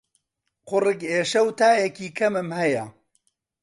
قوڕگ ئێشە و تایەکی کەمم هەیە.